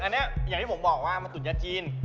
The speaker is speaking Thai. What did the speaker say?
อันนี้แบบที่ผมบอกตูดยากจีน